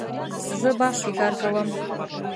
زه باغ کې کار کوم